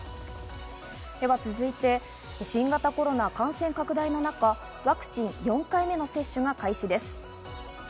では続いて、新型コロナ感染拡大の中、ワクチン４回目の接種が開始です。